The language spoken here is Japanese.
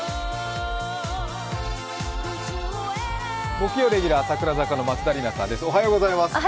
木曜レギュラー、櫻坂の松田里奈さんです。